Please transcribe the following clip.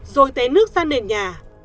rồi té nước ra nền nhà